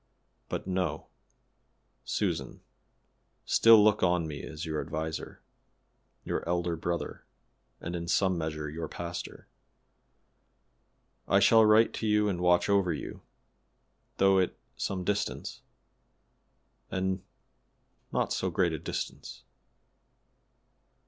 But no, Susan, still look on me as your adviser, your elder brother, and in some measure your pastor. I shall write to you and watch over you, though it some distance and not so great a distance.